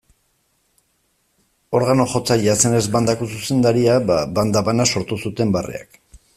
Organo-jotzailea zenez bandako zuzendaria, bada, banda bana sortu zuten barreak.